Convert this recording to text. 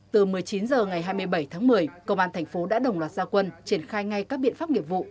từ một mươi chín h ngày hai mươi bảy tháng một mươi công an thành phố đã đồng loạt gia quân triển khai ngay các biện pháp nghiệp vụ